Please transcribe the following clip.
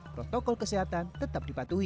protokol kesehatan tetap dipatuhi